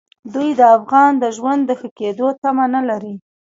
دوی د افغان د ژوند د ښه کېدو تمه نه لري.